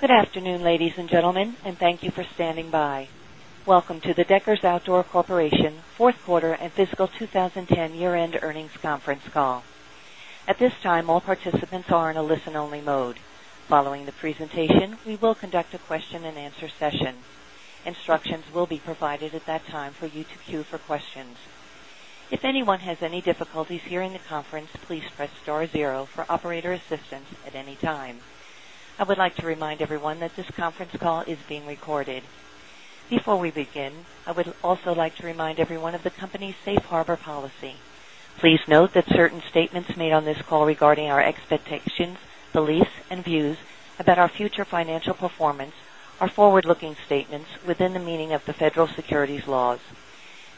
Good afternoon, ladies and gentlemen, and thank you for standing by. Welcome to the Deckers Outdoor Corporation 4th Quarter and Fiscal 2010 Year End Earnings Conference Call. At this time, all participants are in a listen only mode. Following the presentation, we will conduct a question and answer session. Instructions will be provided at that time for you to queue for questions. I would like to remind everyone that this conference call is being recorded. Before we begin, I would also like to remind everyone of the company's Safe Harbor policy. Please note that certain statements made on this call regarding our expectations, beliefs and views about our future financial performance are forward looking statements within the meaning of the federal securities laws.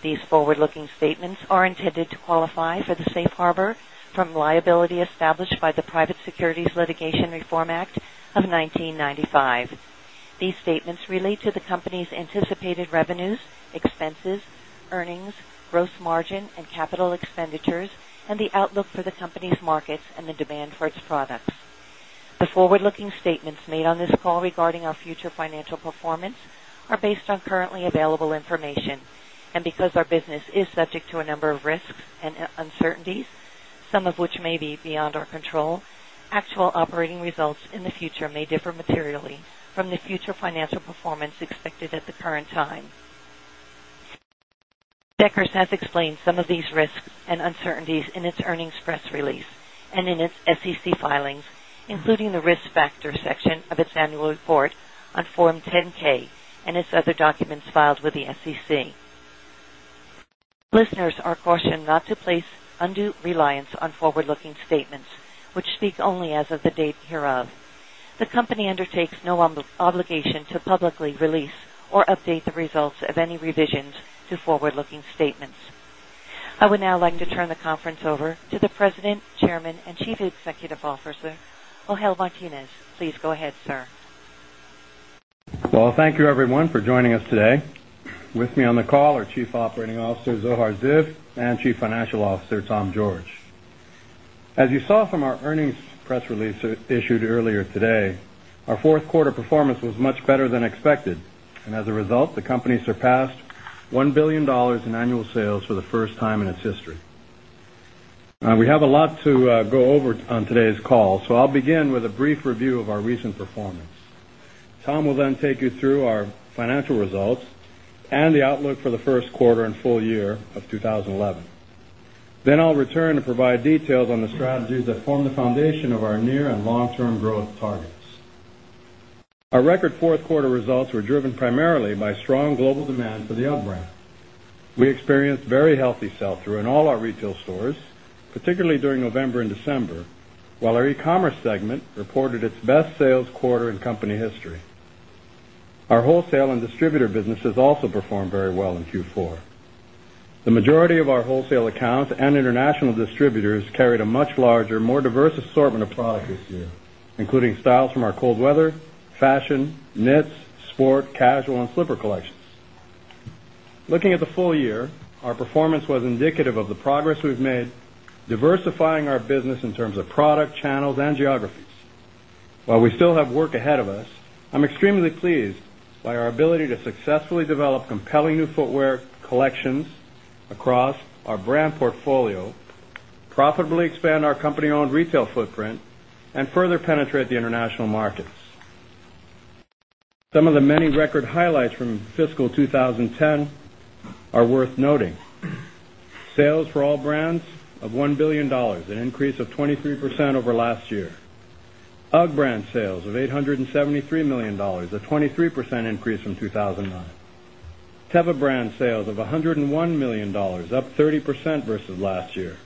These forward looking statements are intended to qualify for the Safe Harbor from liability established by the Private Securities Litigation Reform Act of 1995. These statements relate to the company's anticipated revenues, expenses, earnings, gross margin and capital expenditures and the outlook for the company's markets and the demand for its products. The forward looking statements made on this call regarding our future financial performance are based on currently available information And because our business is subject to a number of risks and uncertainties, some of which may be beyond our control, actual operating results in the future may differ materially from the future financial performance expected at the current time. Deckers has explained some of these risks and uncertainties in its earnings press release and in its SEC filings, including the Risk Factors section of its Annual Report on Form 10 ks and its other documents filed with the SEC. Listeners are cautioned not to place undue reliance on forward looking statements, which speak only as of the date hereof. The company undertakes no obligation to publicly release or update the results of any revisions to forward looking statements. I would now like to turn the conference over to the President, Chairman and Chief Executive Officer, Ohel Martinez. Please go ahead, sir. Well, thank you everyone for joining us today. With me on the call are Chief Operating Officer, Zohar Ziv and Chief Financial Officer, Tom George. As you saw from our earnings press release issued earlier today, our Q4 performance was much better than expected. And as a result, the company surpassed $1,000,000,000 in annual sales for the first time in its history. We have a lot to go over on today's call. So I'll begin with a brief review of our recent performance. Tom will then take you through our financial results and the outlook for the Q1 and full year of 2011. Then I'll return to provide details on the strategies that form the foundation of our near and long term growth targets. Our record Q4 results were driven primarily by strong global demand for the UGG brand. We experienced very healthy sell through in all our retail stores, particularly during November December, while our e commerce segment reported its best sales quarter in company history. Our wholesale and distributor businesses also performed very well in Q4. The majority of our wholesale accounts and international distributors carried a much larger more diverse assortment of products this year, including styles from our cold weather, fashion, knits, sport, casual and slipper collections. Looking at the full year, our performance was indicative of the progress we've made diversifying our business in terms of product channels and geographies. While we still have work ahead of us, I'm extremely pleased by our ability to successfully develop compelling new footwear collections across our brand portfolio, profitably expand our company owned retail footprint and further penetrate the international markets. Some of the many record highlights from fiscal 2010 are worth noting. Sales for all brands of $1,000,000,000 an increase of 23% over last year. UGG brand sales of $873,000,000 a 23% increase from 2,009 Teva brand sales of $101,000,000 up 30% versus last year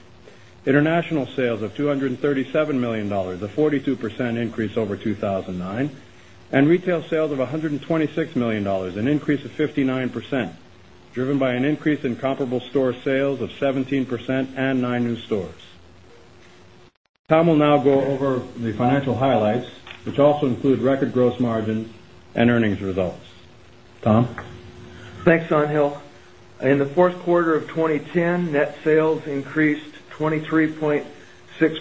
international sales of $237,000,000 a 42% increase over 2,009 and retail sales of $126,000,000 an increase of 59%, driven by an increase in comparable store sales of 17% and 9 new stores. Tom will now go over the financial highlights, which also include record gross margin and earnings results. Tom? Thanks, Sanghill. In the Q4 of 2010, net sales increased 23.6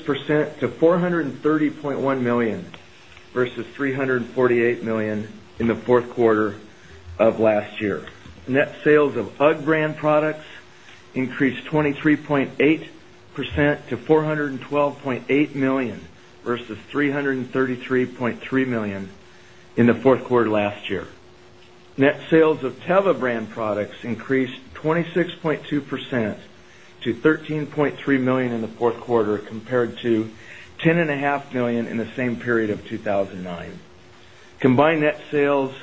percent to 4 $130,100,000 versus $348,000,000 in the Q4 of last year. Net sales of UGG brand products increased 23.8 percent to $412,800,000 versus $333,300,000 in the Q4 last year. Net sales of Teva brand products increased 26.2 percent to 13.3 $1,000,000 in the Q4 compared to $10,500,000 in the same period of 2,009. Combined net sales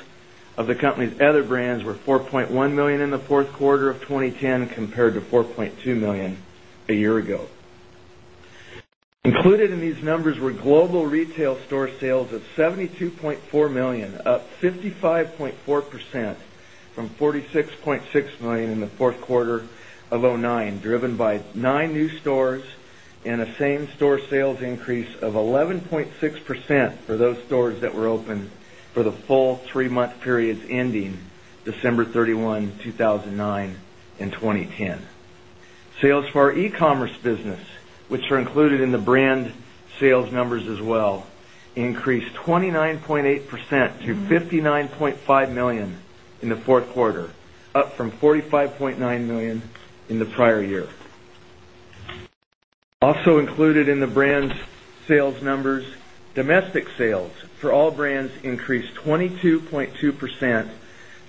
of the company's other brands were $4,100,000 in the Q4 of 2010 compared to $4,200,000 a year ago. Included in these numbers were global retail store sales of $72,400,000 up 55.4 percent from $46,600,000 in the Q4 of 2019 driven by 9 new stores and a same store sales increase of 11.6% for those stores that were opened for the full 3 month periods ending December 31, 2009, 2010. Sales for our e commerce business which are included in the brand sales numbers as well increased 29.8 percent to $59,500,000 in the 4th quarter, up from $45,900,000 in the prior year. Also included in the brand's sales numbers, domestic sales for all brands increased 22.2 percent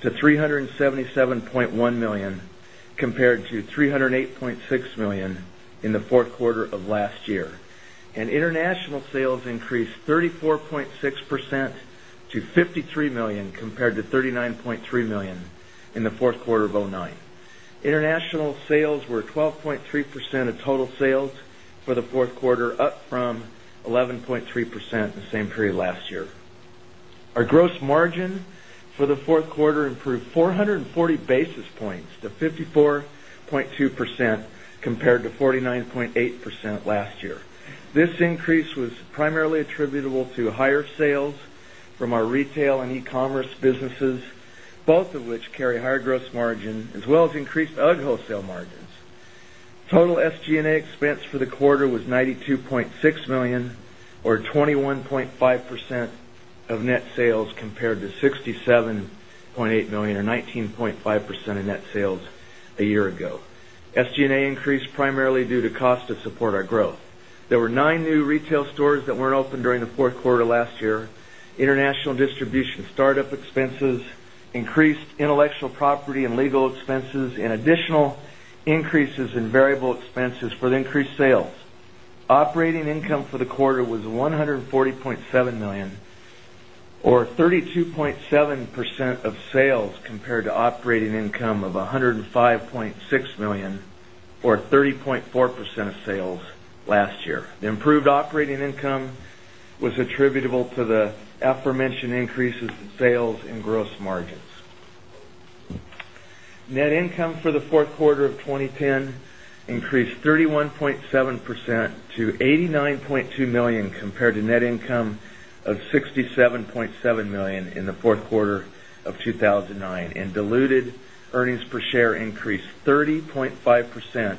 to $377,100,000 compared to $308,600,000 in the Q4 of last year and international sales increased 34.6% to $53,000,000 compared to $39,300,000 in the Q4 of 2009. International sales were 12.3% of total sales for the Q4, up from 11.3% in the same period last year. Our gross margin for the Q4 improved 440 basis points to 54.2% compared to 49.8% last year. This increase was primarily attributable to higher sales from our retail and e commerce businesses both of which carry higher gross margin as well as increased UGG wholesale margins. Total SG and A expense for the quarter was $92,600,000 or 21.5 percent of net sales compared to $67,800,000 or 19.5 percent of net sales a year ago. SG and A increased primarily due to cost to support our growth. There were 9 new retail stores that weren't open during the Q4 last year, international distribution start up expenses, increased intellectual property and legal expenses and additional increases in variable expenses for the increased sales. Operating income for the quarter was $140,700,000 or 32.7 percent of sales compared to operating income of $105,600,000 or 30.4 percent of sales last year. The improved operating income was attributable to the aforementioned increases in sales and gross margins. Net income for the Q4 of 2010 increased 31.7 percent to $89,200,000 compared to net income of $67,700,000 in the Q4 of 2,009 and diluted earnings per share increased 30.5 percent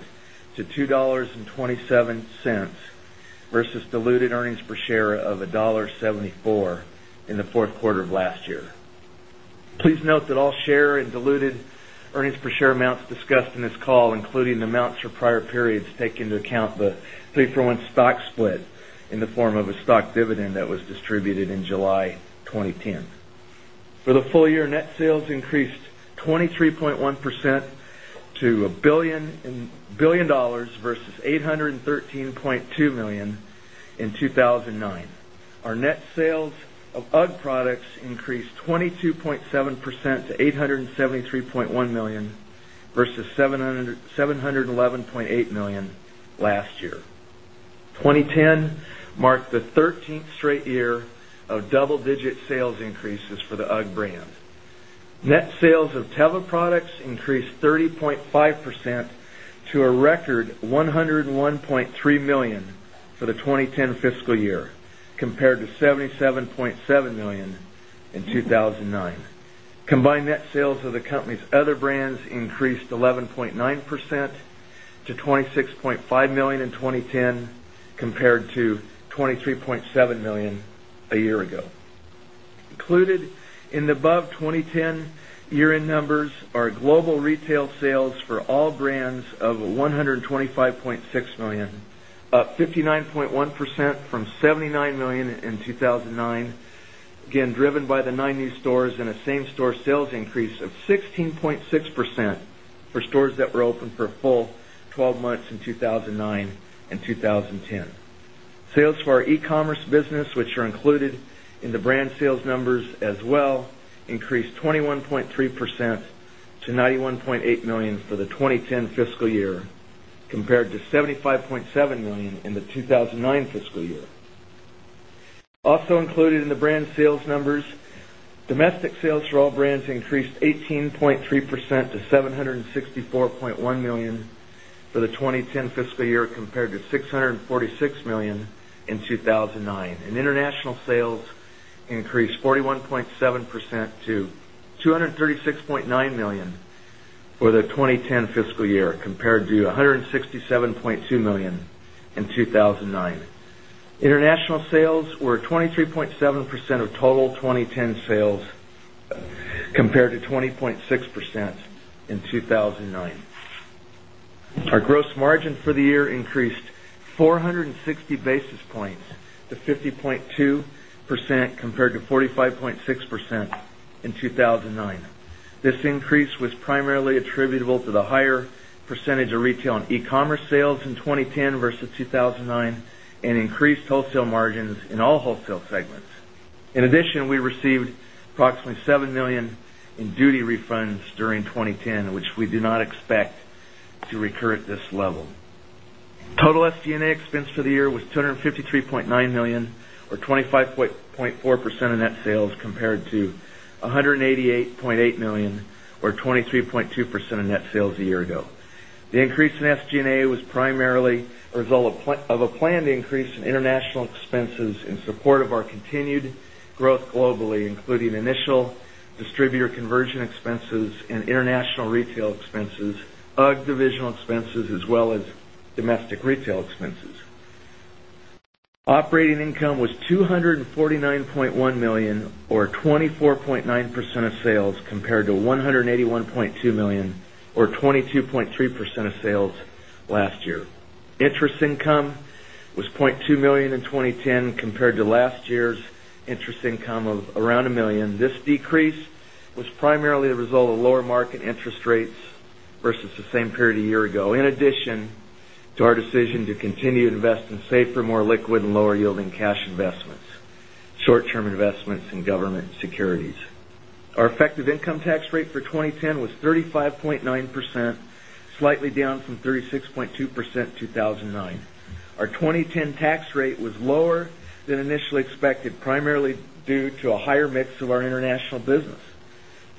to $2.27 versus diluted earnings per share of $1.74 in the Q4 of last year. Please note that all share and diluted earnings per share amounts discussed in this call including the amounts for prior periods take into account the 3 for 1 stock split in the form of a stock dividend that was distributed in July 2010. For the full year, net sales increased 23.1 percent to $1,000,000,000 versus 813,200,000 in 2,009. Our net sales of UGG products increased 22.7 percent to $873,100,000 versus $711,800,000 last year. 2010 marked the 13th straight year of double digit sales increases for the UGG brand. Net sales of Teva products increased 30.5% to a record $101,300,000 for the 2010 fiscal year compared to $77,700,000 in 2,009. Combined net sales of the company's other brands increased 11.9% to $26,500,000 in 20.10 compared to $23,700,000 a year ago. Included in the above 2010 year end numbers are global retail sales for all brands of $125,600,000 up 59.1 percent from $79,000,000 in 2,009 again driven by the 9 new stores and a same store sales increase of 16.6% for stores that were open for full 12 months in 2,009 2010. Sales for our e commerce business which are included in the brand sales numbers as well increased 21.3% to $91,800,000 for the 2010 fiscal year compared to $75,700,000 in the 2,009 fiscal year. Also included in the brand sales numbers, domestic sales for all brands increased 18.3 percent to $764,100,000 for the 2010 fiscal year compared to $646,000,000 in 2,009 and international sales increased 41.7 percent to $236,900,000 for the 2010 fiscal year compared to $167,200,000 in 2,009. International sales were 23.7 percent of total 2010 sales compared to 20.6% in 2,009. Our gross margin for the year increased 460 basis points to 50.2% compared to 45.6% in 2,009. This increase was primarily attributable to the higher percentage of retail and e commerce sales in 2010 versus 2,009 and increased wholesale margins in all wholesale segments. In addition, we received approximately $7,000,000 in duty refunds during 2010 which we do not expect to recur at this level. Total SG and A expense for the year was $253,900,000 or 25.4 percent of net sales compared to $188,800,000 or 23.2 percent of net sales a year ago. The increase in SG and A was primarily a result of a planned increase in international expenses in support of our continued growth globally including initial distributor conversion expenses and international retail expenses, UGG divisional expenses as well as domestic retail expenses. Operating income was $249,100,000 or 24.9 percent of sales compared to $181,200,000 or 22.3 percent of sales last year. Interest income was $200,000 in 20.10 compared to last year's interest income of around $1,000,000 This decrease was primarily a result of lower market interest rates versus the same period a year ago in addition to our decision to continue to invest in safer more liquid and lower yielding cash investments, short term investments in government securities. Our effective income tax rate for 2010 was 35.9%, slightly down from 36.2 percent in 2009. Our 2010 tax rate was lower than initially expected primarily due to a higher mix of our international business.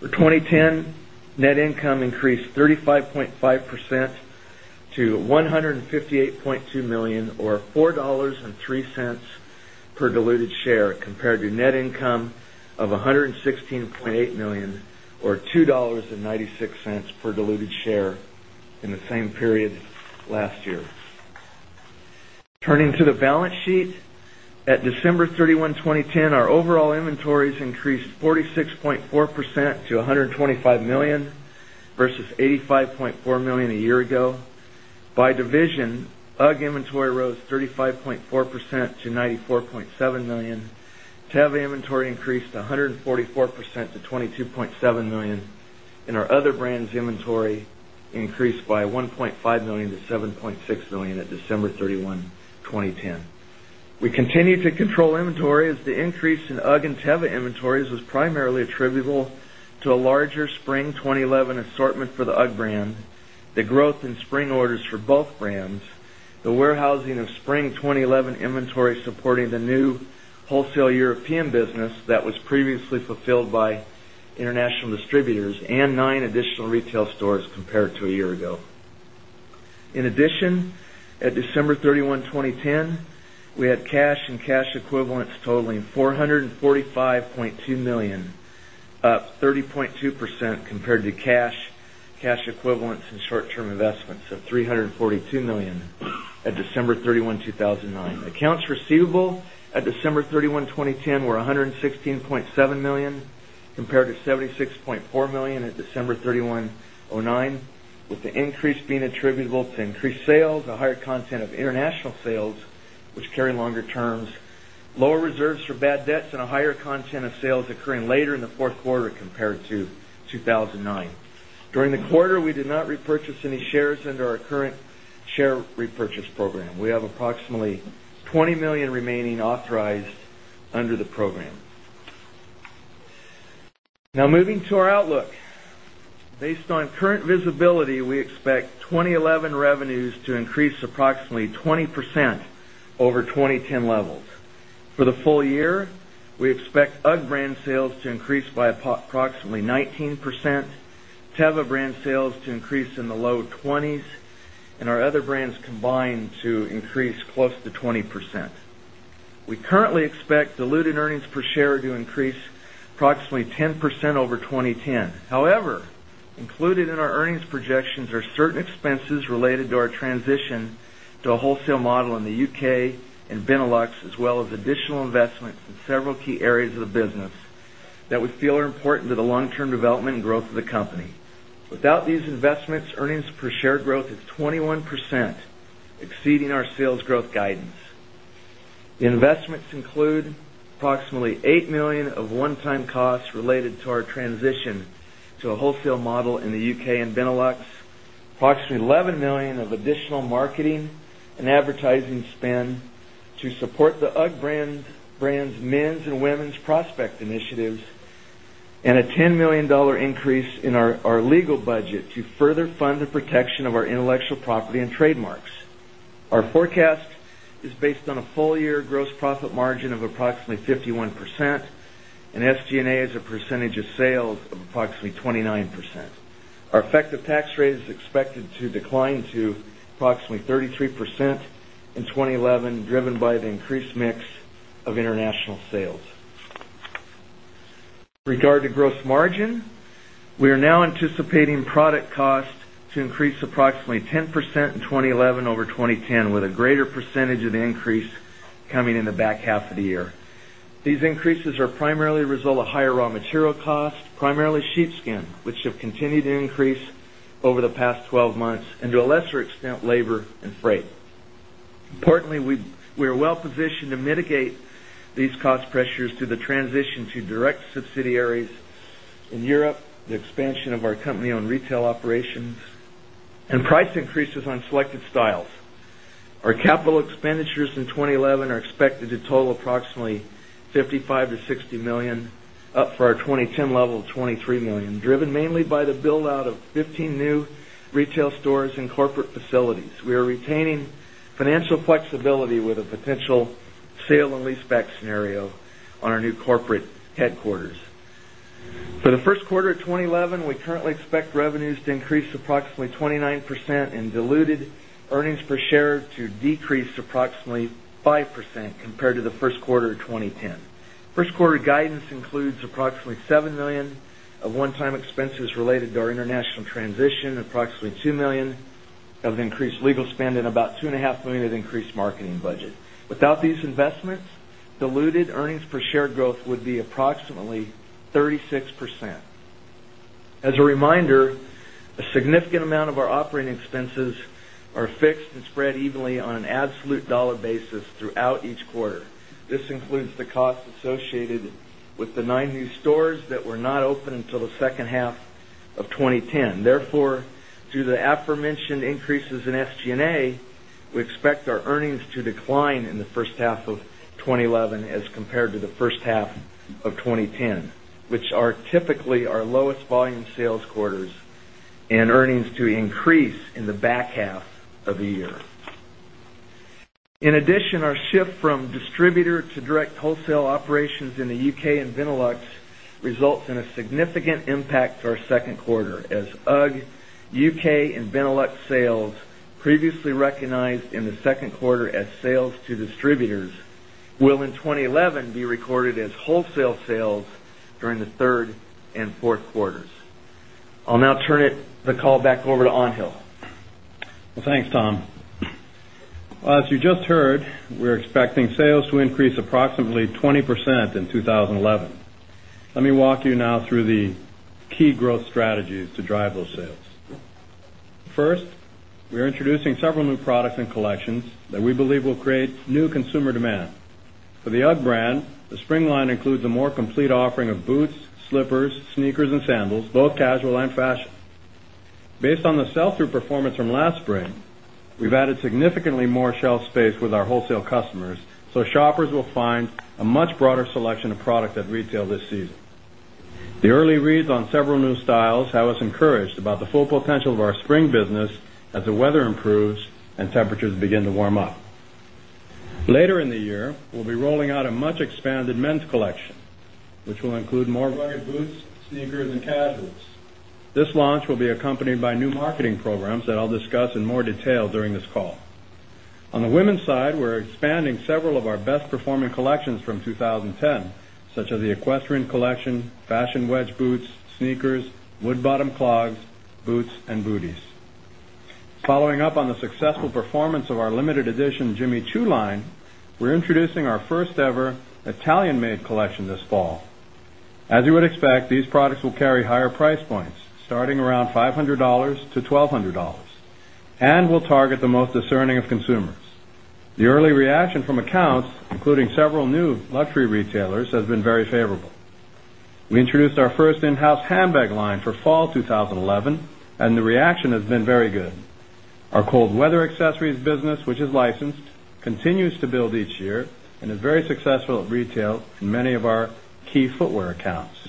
For 2010, net income increased 35.5 percent to $158,200,000 or $4.03 per diluted share compared to net income of $116,800,000 or $2.96 per diluted share in the same period last year. Turning to the balance sheet. At December 31, 2010, our overall inventories increased 46.4 percent to 125,000,000 dollars versus $85,400,000 a year ago. By division, UGG inventory rose 35.4 percent to $94,700,000 Teva inventory increased 144 percent to $22,700,000 and our other brands inventory increased by $1,500,000 to $7,600,000 at December 31, 2010. We continue to control inventory as the increase in UGG and Teva inventories was primarily attributable to a larger spring 2011 assortment for the UGG brand, the growth in spring orders for both brands, the warehousing of spring 2011 inventory supporting the new wholesale European business that was previously fulfilled by international distributors and 9 additional retail stores compared to a year ago. In addition, at December 31, 2010, we had cash and cash equivalents totaling $145,200,000 up 30.2 percent compared to cash, cash equivalents and short term investments of $342,000,000 at December 31, 2000 and at December 31, 2000 and 9. Accounts receivable at December 31, 2010 were $116,700,000 compared to $76,400,000 at December 31,009 with the increase being attributable to increased sales, a higher content of international sales, which carry longer terms, lower reserves for bad debts and a higher content of sales occurring later in the Q4 compared to 2,009. During the quarter, we did not repurchase any shares under our current share repurchase program. We have approximately $20,000,000 remaining authorized under the program. Now moving to our outlook. Based on current visibility, we expect 2011 revenues to increase approximately 20% over 20.10 levels. For the full year, we expect UGG brand sales to increase by approximately 19%, Teva brand sales to increase in the low 20s and our other brands combined to increase close to 20%. We currently expect diluted earnings per share to increase approximately 10% over 2010. However, included in our earnings projections are certain expenses related to our transition to a wholesale model in the U. K. And Benelux as well as additional investments in several key areas of the business that we feel are important to the long term development and growth of the company. Without these investments earnings per share growth is 21% exceeding our sales growth guidance. The investments include approximately $8,000,000 of one time costs related to our transition to a wholesale model in the U. K. And Benelux, approximately $11,000,000 of additional marketing and advertising spend to support the UGG brand's men's and women's prospect initiatives and a $10,000,000 increase in our legal budget to further fund the protection of our intellectual property and trademarks. Our forecast is based on a full year gross profit margin of approximately 51% and SG and A as a percentage of sales of approximately 29%. Our effective tax rate is expected to decline to approximately 33% in 2011 driven by the increased mix of international sales. Regard to gross margin, we are now anticipating product cost to increase approximately 10% in 2011 over 2010 with a greater percentage of the increase coming in the back half of the year. These increases are primarily a result of higher raw material costs, primarily sheepskin, which have continued to increase over the past 12 months and to a lesser extent labor and freight. Importantly, we are well positioned to mitigate these cost pressures to the transition to direct subsidiaries in Europe, the expansion of our company owned retail operations and price increases on selected styles. Our capital expenditures in 2011 are expected to total approximately $55,000,000 to $60,000,000 up for our 2010 level of $23,000,000 driven mainly by the build out of 15 new retail stores and corporate facilities. We are retaining financial flexibility with a potential sale and leaseback scenario on our new corporate headquarters. For the Q1 of 2011, we currently expect revenues to increase approximately 29% and diluted earnings per share to decrease approximately 5% compared to the Q1 of 2010. First quarter guidance includes approximately $7,000,000 of one time expenses related to our international transition, approximately $2,000,000 of increased legal spend and about $2,500,000 of increased marketing budget. Without these investments, diluted earnings per share growth would be approximately 36%. As a reminder, a significant amount of our operating expenses are fixed and spread evenly on an absolute dollar basis throughout each quarter. This includes the costs associated with the 9 new stores that were not open until the second half of twenty ten. Therefore, due to the aforementioned increases in SG and A, we expect our earnings to decline in the first half of twenty eleven as compared to the first half of twenty ten, which are typically our lowest volume sales quarters and earnings to increase in the back half of the year. In addition, our shift from distributor to direct wholesale operations in the U. K. And Benelux results in a significant impact to our Q2 as UGG, U. K. And Benelux sales previously recognized in the Q2 as sales to distributors will in 2011 be recorded as wholesale sales during the 3rd and 4th quarters. I'll now turn it the call back over to Angel. Thanks, Tom. As you just heard, we're expecting sales to increase approximately 20% in 2011. Let me walk you now through the key growth strategies to drive those sales. First, we are introducing several new products and collections that we believe will create new consumer demand. For the UGG brand, the Spring line includes a more complete offering of boots, slippers, sneakers and sandals, both casual and fashion. Based on the sell through performance from last spring, we've added significantly more shelf space with our wholesale customers, so shoppers will find a much broader selection of product at retail this season. The early reads on several new styles have us encouraged about the full potential of our spring business as the weather improves and temperatures begin to warm up. Later in the year, we'll be rolling out a much expanded men's collection, which will include more rugged boots, sneakers and casuals. This launch will be accompanied by new marketing programs that I'll discuss in more detail during this call. On the women's side, we're expanding several of our best performing collections from 2010, such as the Equestrian collection, fashion wedge boots, sneakers, wood bottom clogs, boots and booties. Following up on the successful performance of our limited edition Jimmy Choo line, we're introducing our first ever Italian made collection this fall. As you would expect, these products will carry higher price points starting around $500 to $1200 and will target the most discerning of consumers. The early reaction from accounts including several new luxury retailers has been very favorable. We introduced our 1st in house handbag line for fall 2011 and the reaction has been very good. Our cold weather accessories business, which is licensed, continues to build each year and is very successful at retail in many of our key footwear accounts.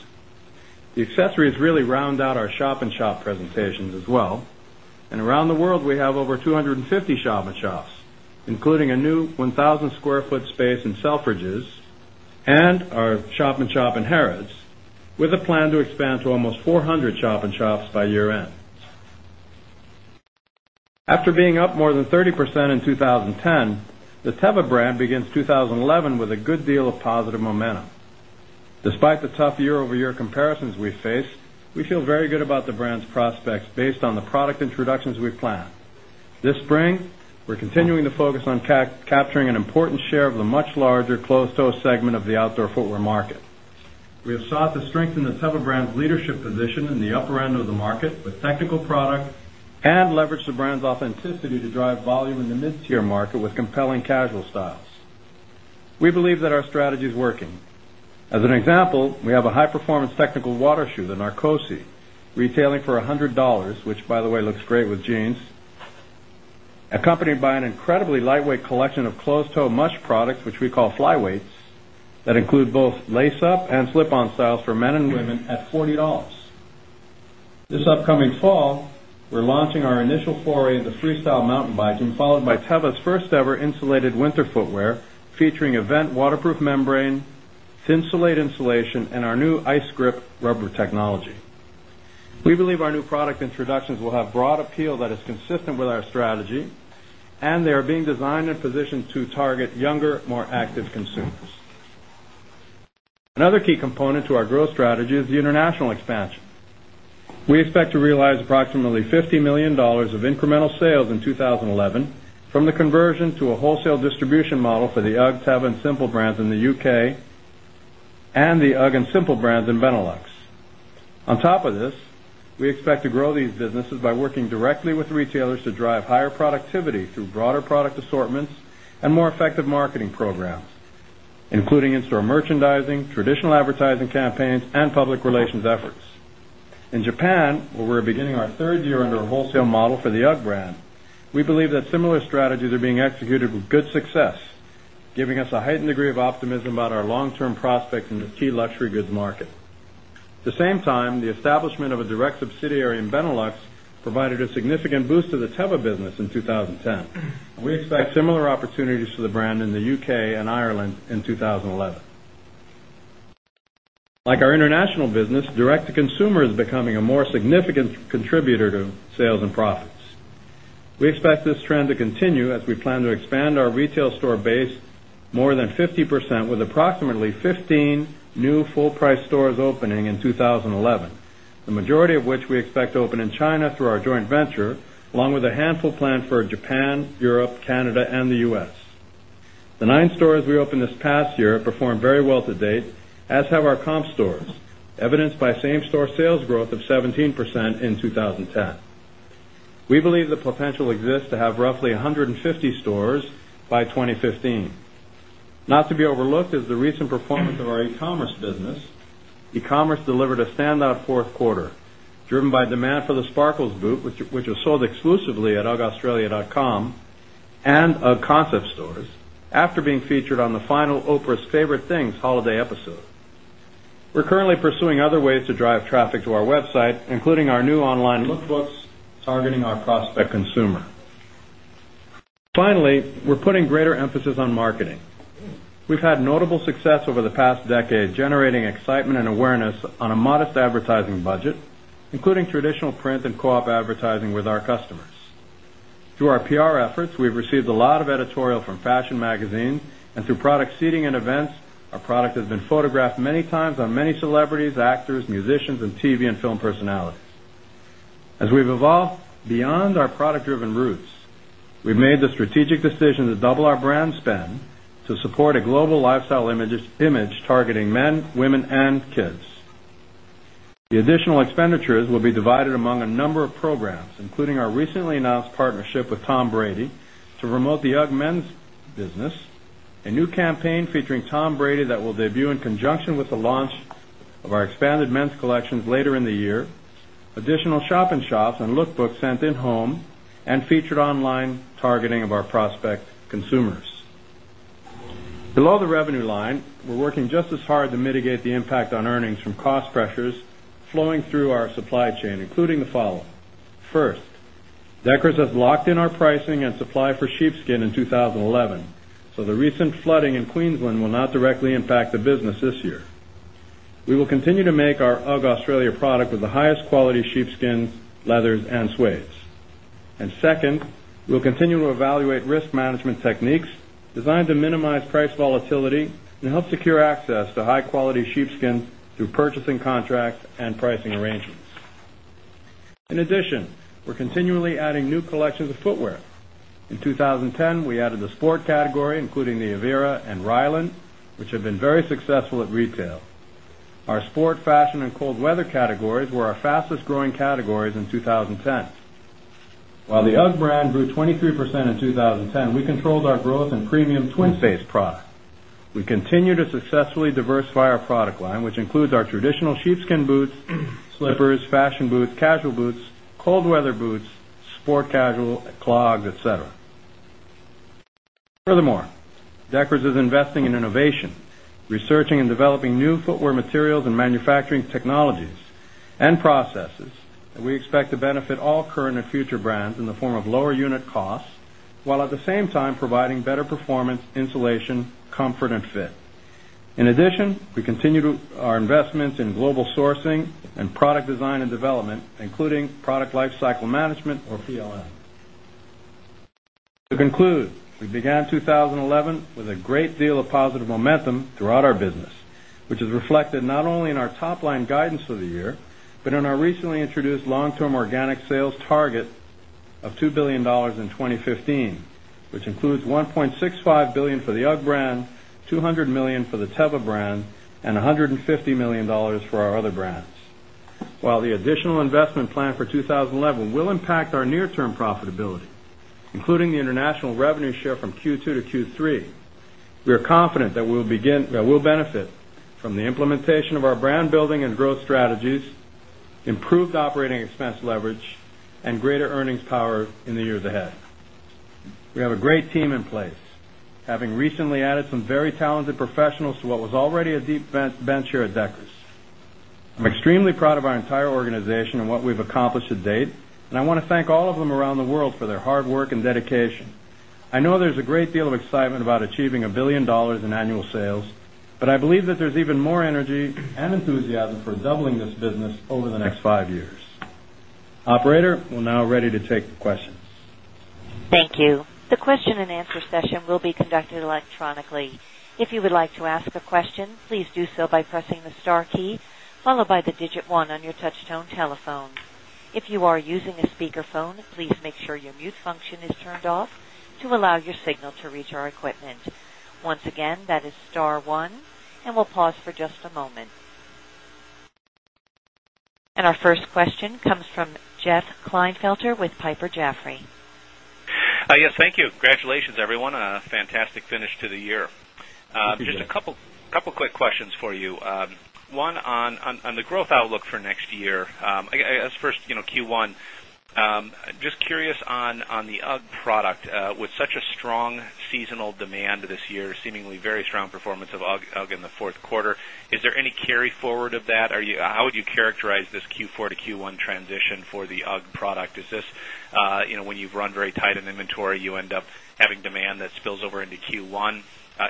The accessories really round out our shop in shop presentations as well. And around the world, we have over 250 shop in shops, including a new 1,000 square foot space in Selfridges and our shop in shop in Harrah's with a plan to expand to almost 400 shop in shops by year end. After being up more than 30% in 2010, the Teva brand begins 2011 with a good deal of positive momentum. Despite the tough year over year comparisons we face, we feel very good about the brand's prospects based on the product planned. This spring, we're continuing to focus on capturing an important share of the much larger closed toe segment of the outdoor footwear market. We have sought to strengthen the Teva brand's leadership position in the upper end of the market with technical product and leverage the brand's authenticity to drive volume in the mid tier market with compelling casual styles. We believe that our strategy is working. As an example, we have a high performance technical water shoe, the Narcosi, retailing for $100 which by the way looks great with jeans, accompanied by an incredibly lightweight collection of closed toe mush products, which we call flyweights that include both lace up and slip on styles for men and women at $40 This upcoming fall, we're launching our initial foray into Freestyle mountain biking followed by Teva's first ever insulated winter footwear featuring event waterproof membrane, Thinsulate insulation and our new IceGrip rubber technology. We believe our new product introductions will have broad appeal that is consistent with our strategy and they are being designed and positioned to target younger more active consumers. Another key component to our growth strategy is the international expansion. We expect to realize approximately $50,000,000 of incremental sales in 2011 from the conversion to a wholesale distribution model for the UGG, Teva and Simple Brands in the UK and the UGG and Simple Brands in Benelux. On top of this, we expect to grow these businesses by working directly with retailers to drive higher productivity through broader product assortments and more effective marketing programs, including in store merchandising, traditional advertising campaigns and public relations efforts. In Japan, where we're beginning our 3rd year under a wholesale model for the UGG brand, we believe that similar strategies are being executed with good success, giving us a heightened degree of optimism about our long term prospects in the key luxury goods market. At the same time, the establishment of a direct subsidiary in Benelux provided a significant boost to the Teva business in 2010. We expect similar opportunities for the brand in the UK and Ireland in 2011. Like our international business, direct to consumer is becoming a more significant contributor to sales and profits. We expect this trend to continue as we plan to expand our retail store base more than 50% with approximately 15 new full price stores opening in 2011, the majority of which we expect to open in China through our joint venture along with a handful planned for Japan, Europe, Canada and the U. S. The 9 stores we opened this past year performed very well to date as have our comp stores evidenced by same store sales growth of 17% in 2010. We believe the potential exists to have roughly 150 stores by 2015. Not to be overlooked is the recent performance of our e commerce business. E commerce delivered a standout 4th quarter, driven by demand for the Sparkles boot, which was sold exclusively at uggaustralia.com and UGG concept stores after being featured on the final Oprah's Favorite Things holiday episode. We're currently pursuing other ways to drive traffic to our website, including our new online lookbooks targeting our prospect consumer. Finally, we're putting greater emphasis on marketing. We've had notable success over the past decade generating excitement and awareness on a modest advertising budget, including traditional print and co op advertising with our customers. Through our PR efforts, we've received a lot of editorial from fashion magazines and through product seating and events, our product has been photographed many times on many celebrities, actors, musicians and TV and film personalities. As we've evolved beyond our product driven roots, we've made the strategic decision to double our brand spend to support a global lifestyle image targeting men, women and kids. The additional expenditures will be divided among a number of programs, including our recently announced partnership with Tom Brady to promote the UGG men's business, a new campaign featuring Tom Brady that will debut in conjunction with the launch of our expanded men's collections later in the year, additional shop in shops and lookbooks sent in home and featured online targeting of our prospect consumers. Below the revenue line, we're working just as hard to mitigate the impact on earnings from cost pressures flowing through our supply chain, including the following. First, Deckers has locked in our pricing and supply for sheepskin in 2011. So the recent flooding in Queensland will not directly impact the business this year. We will continue to make our UGG Australia product with the highest quality sheepskin, leathers and suedes. And second, we'll continue to evaluate risk management techniques designed to minimize price volatility and help secure access to high quality sheepskin through purchasing contracts and pricing arrangements. In addition, we're continually adding new collections of footwear. In 2010, we added the sport category including the Avira and Ryland, which have been very successful at retail. Our sport fashion and cold weather categories were our fastest growing categories in 2010. While the UGG brand grew 23% in 2010, we controlled our growth in premium twin face product. We continue to successfully diversify our product line, which includes our traditional sheepskin boots, slippers, fashion boots, casual boots, cold weather boots, casual clogs, etcetera. Furthermore, Deckers is investing in innovation, researching and developing new footwear materials and manufacturing technologies and processes that we expect to benefit all current and future brands in the form of lower unit costs, while at the same time providing better performance, insulation, comfort and fit. In addition, we continue investments in global sourcing and product design and development including product lifecycle management or PLM. To conclude, we began 2011 with a great deal of positive momentum throughout our business, which is reflected not only in our top line guidance for the year, but in our recently introduced long term organic sales target of $2,000,000,000 in 2015, which includes $1,650,000,000 for the UGG brand, dollars 200,000,000 for the Teva brand and $150,000,000 for our other brands. While the additional investment plan for 2011 will impact our near term profitability, including the international revenue share from Q2 to Q3, we are confident that we will benefit from the implementation of our brand building and growth strategies, improved operating expense leverage and greater earnings power in the years ahead. We have a great team in place, having recently added some very talented professionals to what was already a deep bench here at Deckers. I'm extremely proud of our entire organization and what we've accomplished to date. And I want to thank all of them around the world for their hard work and dedication. I know there's a great deal of excitement about achieving $1,000,000,000 in annual sales, but I believe that there's even more energy and enthusiasm for doubling this business over the next 5 years. Operator, we're now ready to take questions. Thank you. The question and And our first question comes from Jeff Kleinfelter with Piper Jaffray. Yes, thank you. Congratulations everyone. A fantastic finish to the year. Just a couple of quick questions for you. One on the growth outlook for next year. I guess, first, Q1, just curious on the UGG product with such a strong seasonal demand this year, seemingly very strong performance of UGG in the Q4, is there any carry forward of that? How would you characterize this Q4 to Q1 transition for the UGG product? Is this when you've run very tight in inventory, you end up having demand that spills over into Q1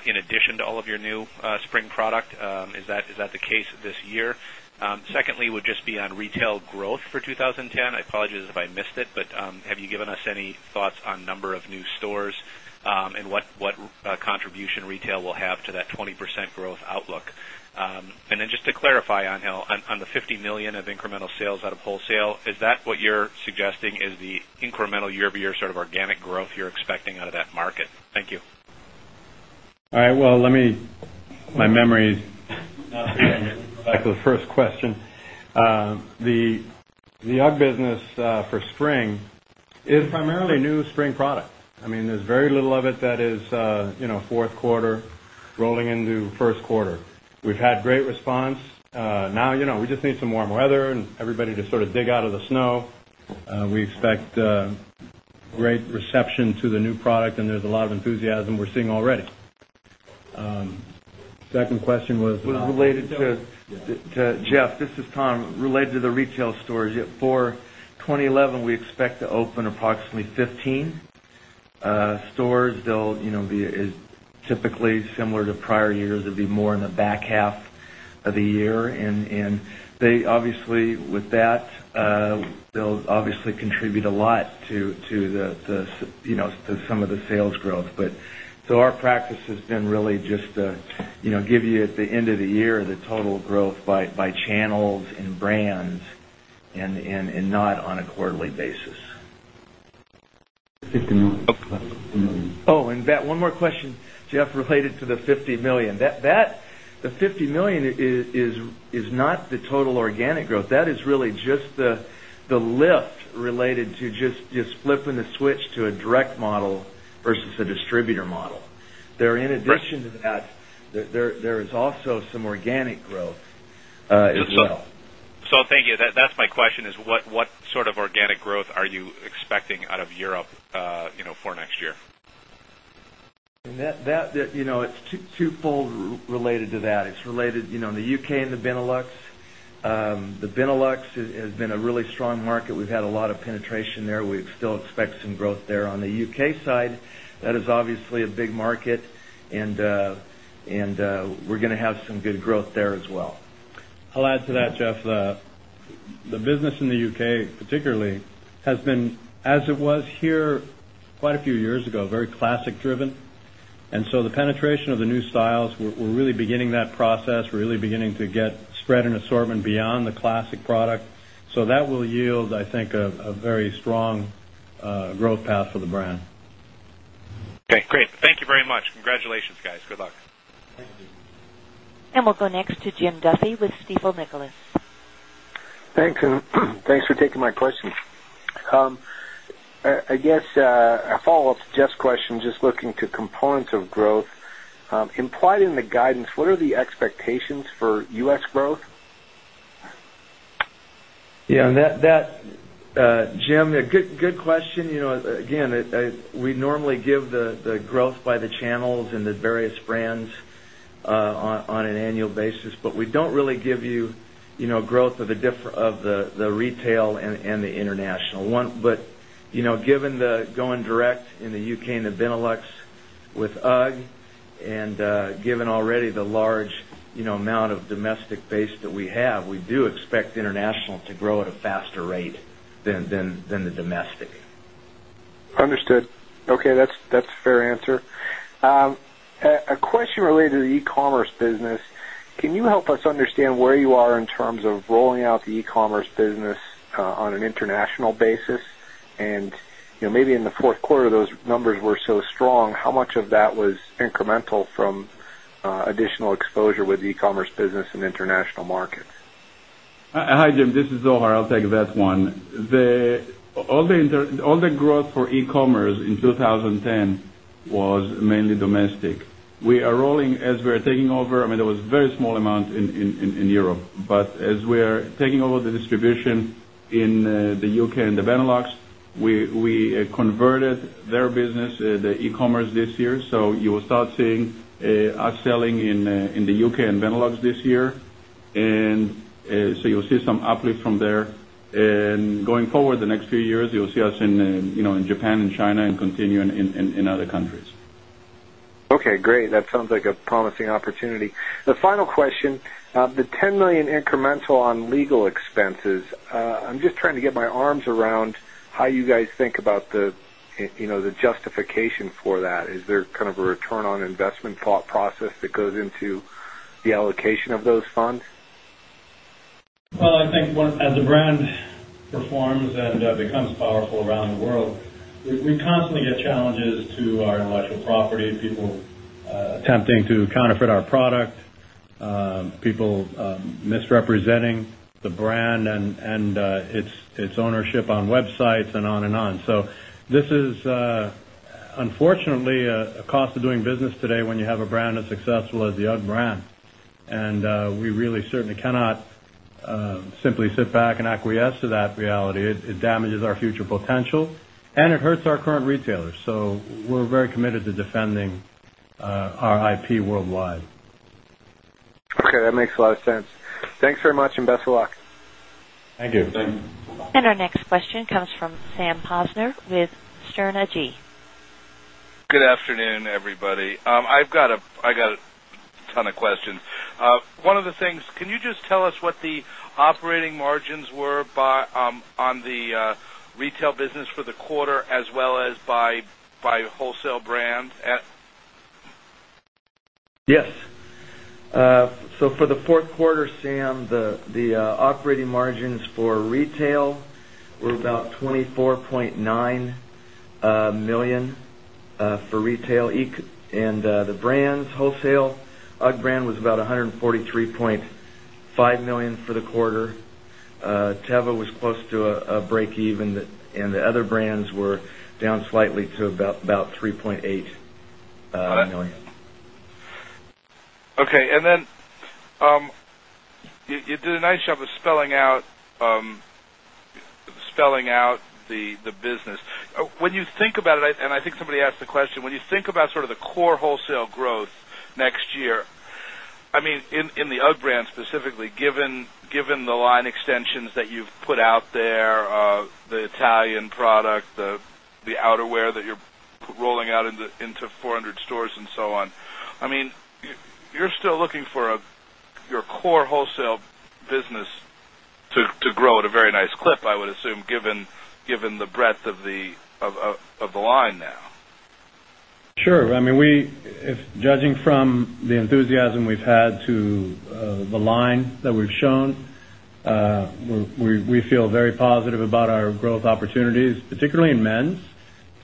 in addition to all of your new spring product? Is that the case this year? Secondly, would just be on retail growth for 2010. I apologize if I missed it, but have you given us any thoughts on number of new stores? And what contribution retail will have to that 20% growth outlook? And then just to clarify on the $50,000,000 of incremental sales out of wholesale, is that what you're suggesting is the incremental year over year sort of organic growth you're expecting out of that market? Thank you. All right. Well, let me my memory is back to the first question. The UGG business for spring is primarily new spring product. I mean there's very little of it that is 4th quarter rolling into Q1. We've had great response. Now we just need some warm weather and everybody to sort of dig out of the snow. We expect great reception to the new product and there's a lot of enthusiasm we're seeing already. 2nd question was Jeff, this is Tom. Related to the retail stores, for 2011, we expect to open approximately 15 stores. They'll be typically similar to prior years. It'd be more in the back half of the year. And they obviously with that, they'll obviously contribute a lot to the to some of the sales growth. But so our practice has been really just to give you at the end of the year the total growth by channels and brands and not on a quarterly basis. And that one more question, Jeff related to the $50,000,000 The $50,000,000 is not the total organic growth. That is really just the lift related to flipping the switch to a direct model versus a distributor model. There in addition to that, there is also some organic growth as well. So thank you. That's my question is what sort of organic growth are you expecting out of Europe for next year? It's 2 fold related to that. It's related in the U. K. And the Benelux. The Benelux has been a really strong market. We've had a lot of penetration there. We still expect some growth there. On the U. K. Side, that is obviously a big market and we're going to have some good growth there as well. I'll add to that, Jeff. The business in the UK particularly has been as it was here quite a few years ago, very classic driven. And so the penetration of the new styles, we're really beginning that process, really beginning to get spread and assortment beyond the classic product. So that will yield, I think, a very strong growth path for the brand. Okay, great. Thank you very much. Congratulations, guys. Good luck. And we'll go next to Jim Duffy with Stifel Nicolaus. Thanks for taking my question. I guess a follow-up to Jeff's question just looking to components of growth. Implied in the guidance, what are the expectations for U. S. Growth? Yes. That Jim, good question. Again, we normally give the growth by the channels in the various brands on an annual basis, but we don't really give you growth of the retail and the international. But given the going direct in the U. K. And the Benelux with UGG and given already the large amount of domestic base that we have, we do expect international to grow at a faster rate than the domestic. Understood. Okay, that's a fair answer. A question related to the e commerce business. Can you help us understand where you are in terms of rolling out the ecommerce business on an international basis? And maybe in the Q4, those numbers were so strong. How much of that was incremental from additional exposure with ecommerce business in international markets? Hi, Jim. This is Zohar. I'll take that one. All the growth for e commerce in 2010 was mainly domestic. We are rolling as we are taking over, I mean, there was very small amount in Europe. But as we are taking over the distribution in the UK and the Benelux, we converted their business, the e commerce this year. So you will start seeing us selling in the UK and Benelux this year. And so you'll see some uplift from there. And going forward the next few years, you'll see us in Japan and China and continue in other countries. Okay, great. That sounds like a promising opportunity. The final question, the $10,000,000 incremental on legal expenses, I'm just trying to get my arms around how you guys think about the justification for that? Is there kind of a return on investment thought process that goes into the allocation of those funds? Well, I think as the brand performs and becomes powerful around the world, we constantly get challenges to our intellectual property, people attempting to counterfeit our product, people misrepresenting the brand and its ownership on websites and on and on. So this is unfortunately a cost of doing business today when you have a brand as successful as the UGG brand. And we really certainly cannot simply sit back and acquiesce to that reality. It damages our future potential and it hurts our current retailers. So we're very committed to defending our IP worldwide. Okay. That makes a lot of sense. Thanks very much and best of luck. Thank you. And our next question comes from Sam Posner with Stern AG. Good afternoon, everybody. I've got a a ton of questions. One of the things, can you just tell us what the operating margins were on the retail business for the quarter as well as by wholesale brand? Yes. So for the Q4, Sam, the operating margins for retail were about $24,900,000 for retail and the brands wholesale UGG brand was about $143,500,000 for the quarter. Teva was close to a breakeven and the other brands were down slightly to about 3,800,000 dollars Okay. And then you did a nice job of spelling out the business. When you think about it and I think somebody asked the question, when you think about sort of the core wholesale growth next year, I mean, in the UGG brand specifically, given the line extensions that you've put out there, the Italian product, the outerwear that you're rolling out into 400 stores and so on, I mean, you're still looking for your core wholesale business to grow at a very nice clip, I would assume given the breadth of the line now? Sure. I mean, we judging from the enthusiasm we've had to the line that we've shown, we feel very positive about our growth opportunities, particularly in men's,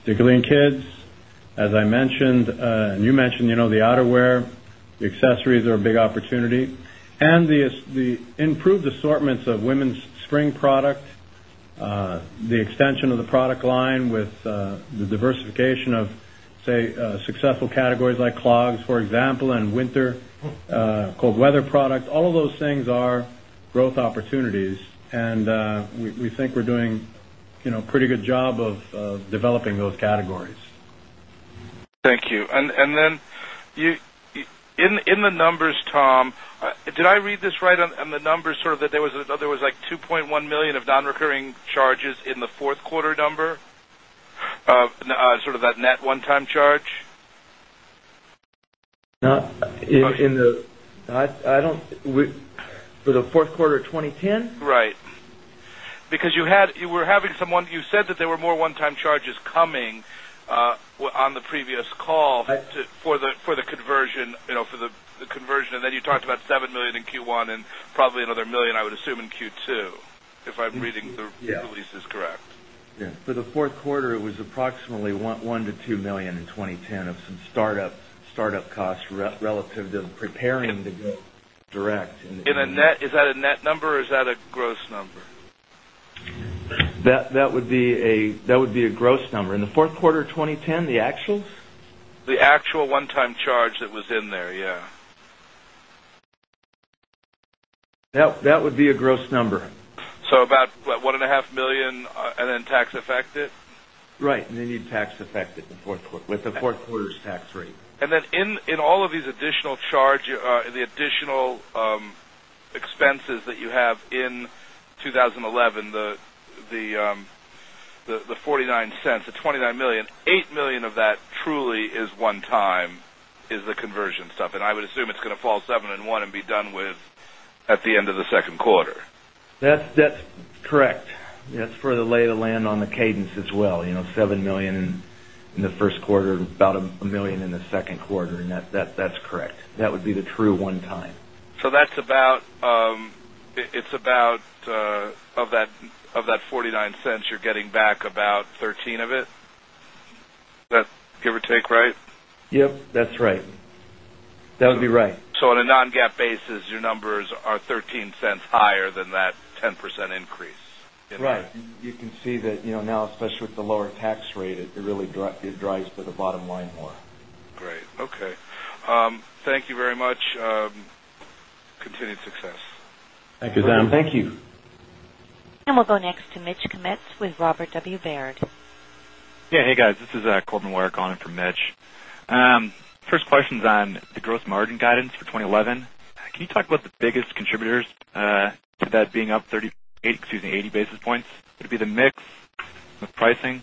particularly in kids. As I mentioned, you mentioned, the outerwear, accessories are a big opportunity. And the improved assortments of women's spring product, the extension of the product line with the diversification of, say, successful categories like clogs, for example, and winter, cold weather product, all of those things are growth opportunities. And we think we're doing a pretty good job of developing those categories. Thank you. And then in the numbers, Tom, did I read this right on the numbers sort of that there was like $2,100,000 of non recurring charges in the 4th quarter number, sort of that net one time charge? In the I don't for the Q4 of 2010? Right. Because you had you were having someone you said that there were more one time charges coming on the previous call for the conversion and then you talked about $7,000,000 in Q1 and probably another $1,000,000 I would assume in Q2, if I'm reading the release is correct. For the Q4, it was approximately $1,000,000 to $2,000,000 in 2010 of some start up costs relative to preparing to go direct. Is that a net number or is that a gross number? That would be a gross number. In the Q4 of 2010, the actuals? The actual one time charge that was in there, That would be a gross number. So about $1,500,000 and then tax affected? Right. And they need tax affected in the 4th quarter with the 4th quarter's tax rate. And then in all of these additional charge the additional expenses that you have in 2011, the $0.49 the $29,000,000 $8,000,000 of that truly is one time is the conversion stuff. And I would assume it's going to fall 7 and 1 and be done with at the end of the Q2? That's correct. That's for the lay of the land on the cadence as well, dollars 7,000,000 in the Q1, dollars about $1,000,000 in the Q2 and that's correct. That would be the true one time. So that's about it's about of that $0.49 you're getting back about $0.13 of it, that give or take, right? Yes, that's right. That would be right. So on a non GAAP basis, your numbers are $0.13 higher than that 10% increase in that? Right. You can see that now especially with the lower tax rate, it really drives for the bottom line more. Great. Okay. Thank you very much. Continued success. Thank you, Adam. Thank you. And we'll go next to Mitch Kummetz with Robert W. Baird. Yes. Hey, guys. This is Colton Weier calling in for Mitch. First question is on the gross margin guidance for 2011. Can you talk about biggest contributors to that being up 30, 80 basis points, could it be the mix of pricing?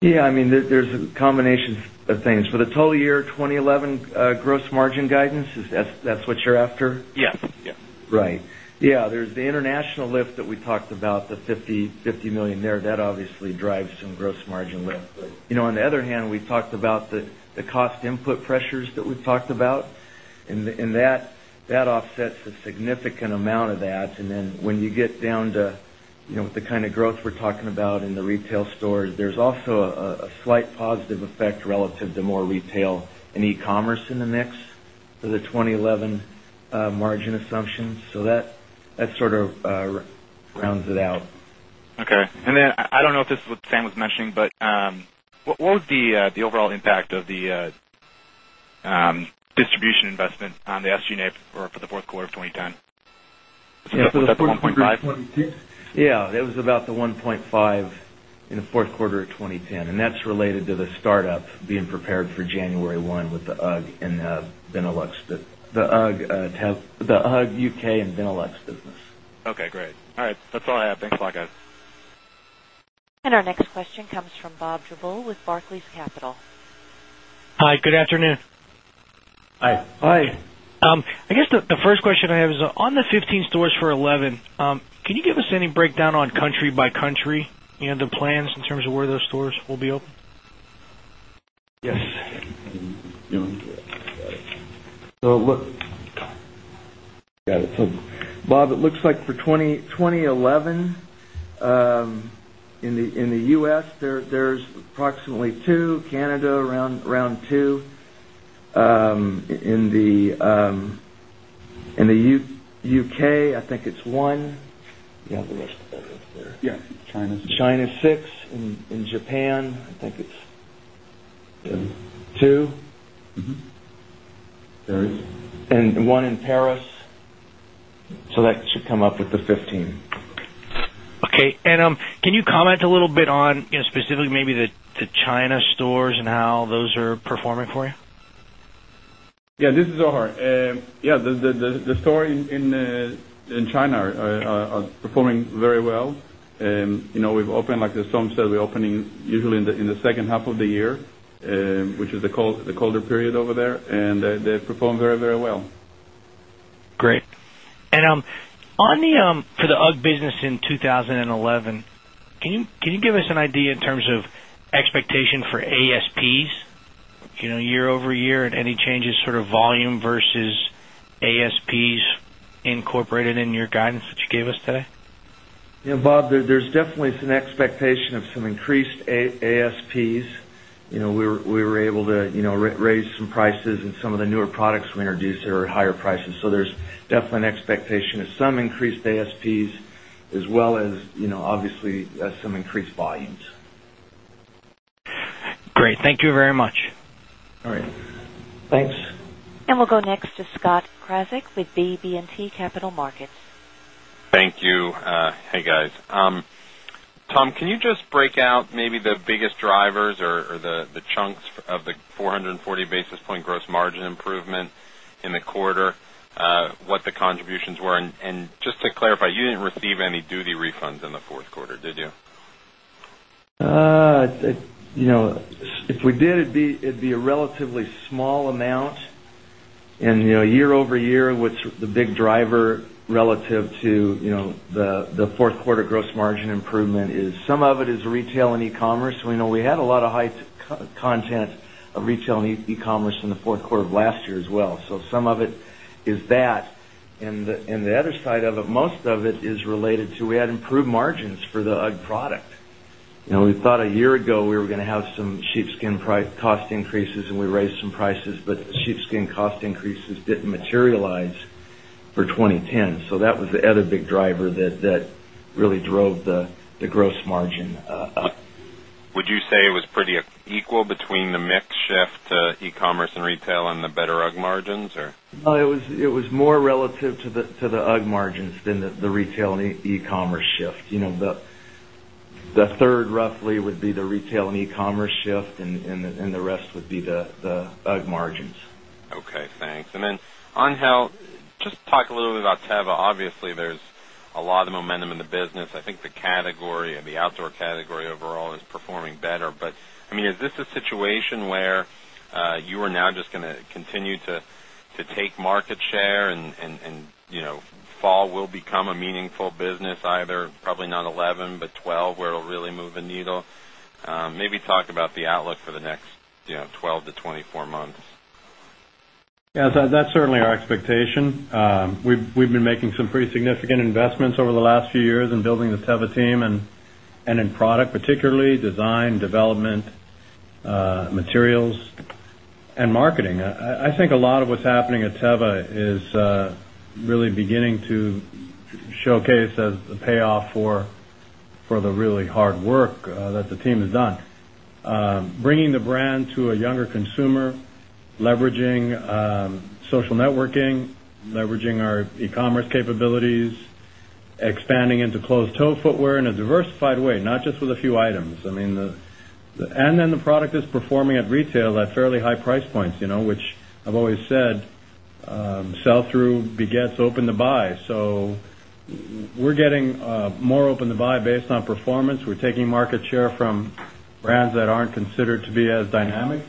Yes, I mean there's a combination of things. For the total year 2011 gross margin guidance, that's what you're after? Right. Yes, there's the international lift that we talked about the $50,000,000 there that obviously drives some gross margin lift. On the other hand, we talked about the cost input pressures that we've talked about and that offsets a significant amount of that. And then when you get down to the kind of growth we're talking about in the retail stores, there's also a slight positive effect relative to more retail and e commerce in the mix for the 2011 margin assumptions. So that sort of rounds it out. Okay. And then I don't know if this is what Sam was mentioning, but what would be the overall impact of the distribution investment on the SG and A for the Q4 of 2010? Yes, it was about the 1.5 in the Q4 of 2010 and that's related the start up being prepared for January 1 with the UGG and the Benelux the UGG U. K. And Benelux business. Okay, great. All right. That's all I have. Thanks a lot guys. And our next question comes from Bob Drbul with Barclays Capital. Hi, good afternoon. Hi. Hi. I guess the first question I have is on the 15 stores for 11, can you give us any breakdown on country by country and the plans in terms of where those stores will be open? Yes. So look Bob, it looks like for 2011 in the U. S. There's approximately 2, Canada around 2. In the U. K, I think it's 1. Yes. China 6. China 6. In Japan, I think it's 2. Paris. And 1 in Paris. So that should come up with the 15. Okay. And can you comment a little bit on specifically maybe the China stores and how those are performing for you? Yes. This is O'Hare. Yes, the store in China are performing very well. We've opened like some said, we're opening usually in the second half of the year, which is the colder period over there and they performed very, very well. Great. And on the for the UGG business in 2011, can you give us an idea in terms of expectation for ASPs year over year and any changes sort of volume versus ASPs incorporated in your guidance that you gave us today? Bob, there's definitely some expectation of some increased ASPs. We were able to raise some prices and some of the newer products we introduced are at higher prices. So there's definitely an expectation of some increased ASPs as well as obviously some increased volumes. Great. Thank you very much. All right. Thanks. And we'll go next to Scott Krzyszak with BB and T Capital Markets. Thank you. Hey, guys. Tom, can you just break out maybe the biggest drivers or the chunks of the 440 basis point gross margin improvement in the quarter? What the contributions were? And just to clarify, you didn't receive any duty refunds in the Q4, did you? If we did, it'd be a relatively small amount. And year over year, what's the big driver relative to the Q4 gross margin improvement is some of it is retail and e commerce. We know we had a lot of high content of retail and e commerce in the Q4 of last year as well. So some of it is that. And the other side of it, most of it is related to we had improved margins for the UGG product. We thought a year ago we were going to have some sheepskin price cost increases and we raised some prices, but sheepskin cost increases didn't materialize for 2010. So that was the other big driver that really drove the gross margin up. Would you say it was pretty equal between the mix shift to e commerce and retail and the better UGG margins or? No, it was more relative to the UGG margins than the retail and e commerce shift. The 3rd roughly would be the retail and e commerce shift and the rest would be the UGG margins. Okay. Thanks. And then on Health, just talk a little bit about Teva. Obviously, there's a lot of momentum in the business. I think the category and the outdoor category overall is performing better. But I mean is this a situation where you are now just going to continue to take market share and fall will become a meaningful business either probably not 11, but 12 where it will really move a needle. Maybe talk about the outlook for the next 12 months to 24 months? Yes. That's certainly our expectation. We've been making some pretty significant investments over the last few years in building the Teva team and in product, particularly design, development, materials and marketing. I think a lot of what's happening at Teva is really beginning to showcase as the payoff for the really hard work that the team has done. Bringing the brand to a younger consumer, leveraging social networking, leveraging our e commerce capabilities, expanding into closed toe footwear in a diversified way, not just with a few items. I mean, and then the product is performing at retail at fairly high price points, which I've always said, sell through begets open to buy. So we're getting more open to buy based on performance. We're taking market share from brands that aren't considered to be as dynamic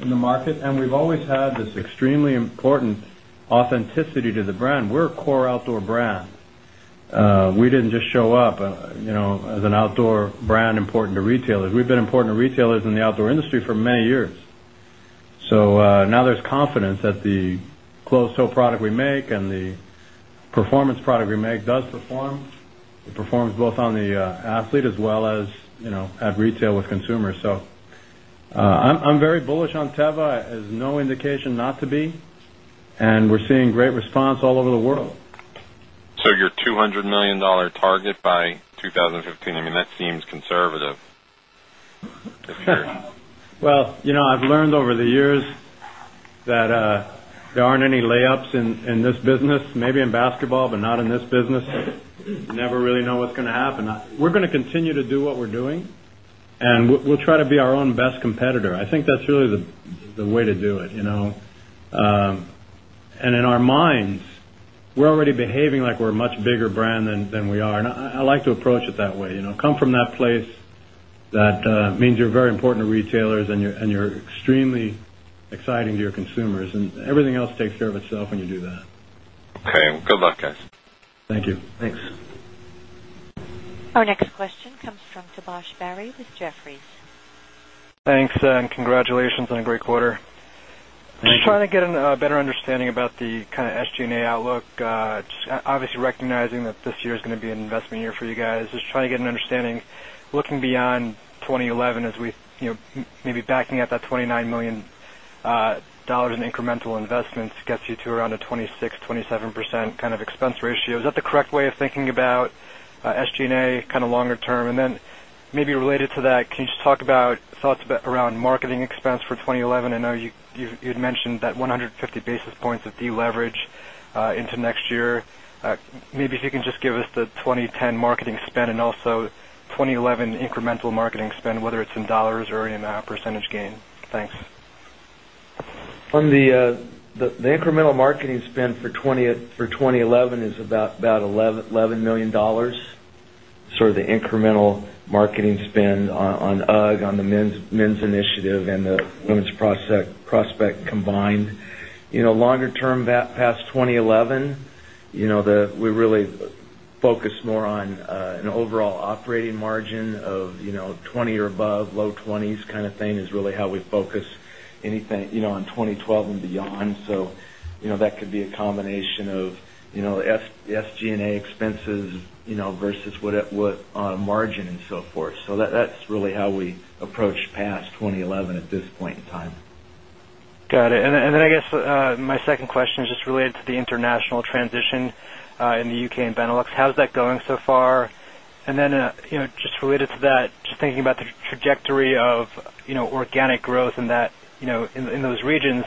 in the market. And we've always had this extremely important authenticity to the brand. We're a core outdoor brand. We didn't just show up as an outdoor brand important to retailers. We've been important to retailers in the outdoor industry for many years. So now there's confidence that the closed toe product we make and the performance product we make does perform. It performs both on the athlete as well as at retail with consumers. So I'm very bullish on Teva as no indication not to be. And we're seeing great response all over the world. So your $200,000,000 target by 2015, I mean that seems conservative. Well, I've learned over the years that there aren't any layups in this business, maybe in basketball, but not in this business. Never really know what's going to happen. We're going to continue to do what we're doing. And we'll try to be our own best competitor. I think that's really the way to do it. And in our minds, we're already behaving like we're a much bigger brand than we are. And I like to approach it that way. Come from that place that means you're very important to retailers and you're extremely exciting to your consumers and everything else takes care of itself when you do that. Okay. Good luck guys. Thank you. Thanks. Our next question comes from Debash Barry with Jefferies. Thanks and congratulations on a great quarter. Just trying to get a better understanding about the kind of SG and A outlook, obviously recognizing that this year is going to be an investment year for you guys. Just trying to get an understanding, looking beyond 2011 as we maybe backing out that $29,000,000 in incremental investments gets you to around a 26%, 27% kind of expense ratio. Is that the correct way of thinking about SG and A kind of longer term? And then maybe related to that, can you just talk about thoughts around marketing expense for 2011? I know you had mentioned that 150 basis points of deleverage into next year. Maybe if you can just give us the 2010 marketing spend and also 2011 incremental marketing spend whether it's in dollars or any amount percentage gain? Thanks. On the incremental marketing spend for 2011 is about $11,000,000 sort of the incremental marketing spend on UGG on the men's initiative and the women's prospect combined. Longer term that past 2011, we really focus more on an overall operating margin of 20% or above, low 20s kind of thing is really how we focus anything on 2012 and beyond. So that could be a combination of SG and A expenses versus what margin and so forth. So that's really how we approach past 2011 at this point in time. Got it. And then I guess my second question is just related to the international transition in the U. K. And Benelux. How is that going so far? And then just related to that, just thinking about the trajectory of organic growth in that in those regions,